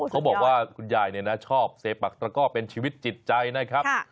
เขาบอกว่าคุณยายเนี่ยนะชอบเซปักตระก้อเป็นชีวิตจิตใจนะครับ